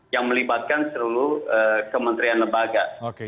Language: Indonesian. yang melibatkan seluruh kementerian lembaga